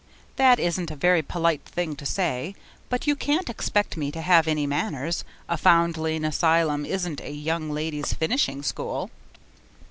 That isn't a very polite thing to say but you can't expect me to have any manners; a foundling asylum isn't a young ladies' finishing school.